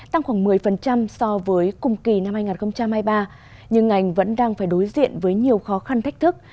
tăng khoảng một mươi so với cùng kỳ năm hai nghìn hai mươi ba nhưng ngành vẫn đang phải đối diện với nhiều khó khăn thách thức